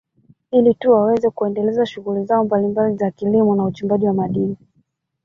Ili tu waweze kuendesha shughuli zao mbalimbali za kilimo na uchimbaji wa madini